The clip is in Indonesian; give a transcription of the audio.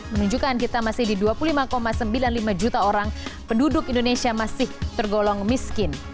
menunjukkan kita masih di dua puluh lima sembilan puluh lima juta orang penduduk indonesia masih tergolong miskin